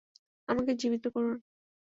আমাকে জীবিত করুন।